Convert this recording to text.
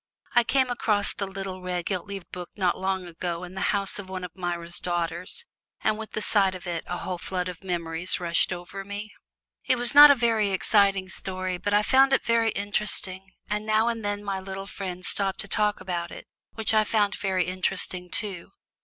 I came across the little red gilt leaved book not long ago in the house of one of Myra's daughters, and with the sight of it a whole flood of memories rushed over me. It was not a very exciting story, but I found it very interesting, and now and then my little friend stopped to talk about it, which I found very interesting too.